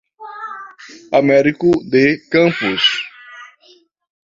Américo de Campos